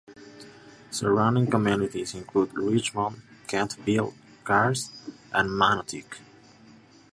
Surrounding communities include Richmond, Kemptville, Kars and Manotick.